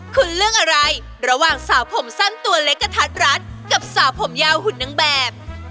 คุณเลือกอะไรระหว่างสาวผมสั้นตัวเล็กกระทัดรัดกับสาวผมยาวหุ่นนางแบบ